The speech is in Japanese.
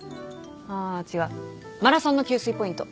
あ違うマラソンの給水ポイント？